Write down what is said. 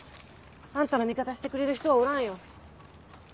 あんたの味方してくれる人はおらんよ。